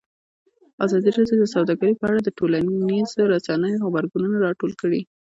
ازادي راډیو د سوداګري په اړه د ټولنیزو رسنیو غبرګونونه راټول کړي.